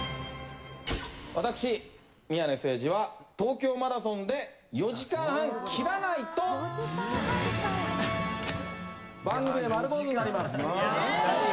私、宮根誠司は、東京マラソンで４時間半切らないと、番組で丸坊主になります。